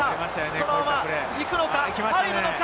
そのままいくのか、入るのか？